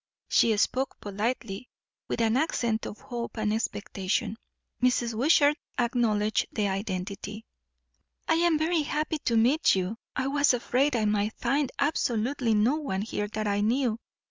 She spoke politely, with an accent of hope and expectation. Mrs. Wishart acknowledged the identity. "I am very happy to meet you. I was afraid I might find absolutely no one here that I knew.